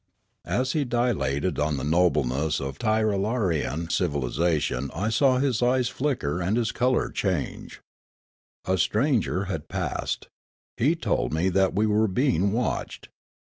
As he dilated on the nobleness of Tirralarian civilis ation I saw his eye flicker and his colour change. A stranger had passed. He told me that we were being watched.